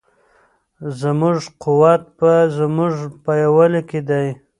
زموږ قوت په زموږ په یووالي کې دی.